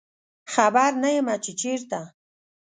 خبر نه یمه چې چیرته